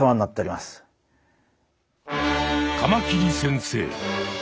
カマキリ先生。